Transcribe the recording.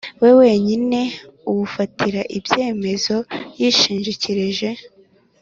we wenyine uwufatira ibyemezo yishingikirije